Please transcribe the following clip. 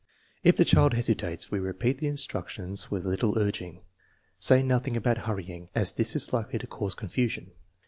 If the child hesitates, we repeat the instructions with a little urging. Say nothing about hurrying, as this is likely to cause confusion.